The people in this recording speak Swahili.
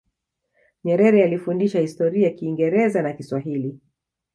nyerere alifundisha historia kingereza na kiswahili